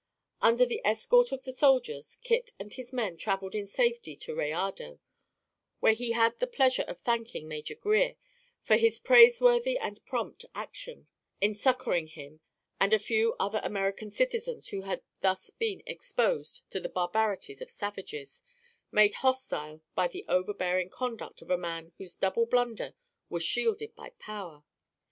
Under the escort of the soldiers, Kit and his men travelled in safety to Rayado, where he had the pleasure of thanking Major Grier for his praise worthy and prompt action, in succoring him and a few other American citizens who had thus been exposed to the barbarities of savages, made hostile by the overbearing conduct of a man whose double blunder was shielded by power.